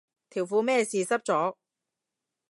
條褲咩事濕咗